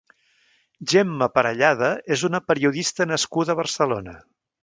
Gemma Parellada és una periodista nascuda a Barcelona.